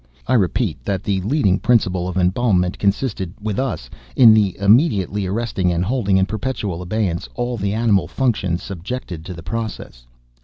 I repeat that the leading principle of embalmment consisted, with us, in the immediately arresting, and holding in perpetual abeyance, all the animal functions subjected to the process.